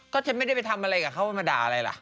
ก็ฉันไม่ได้ไปทำอะไรกับเขามาด่าอะไรล่ะ